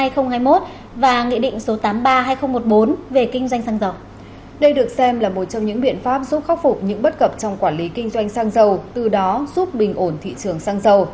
trong quản lý kinh doanh xăng dầu từ đó giúp bình ổn thị trường xăng dầu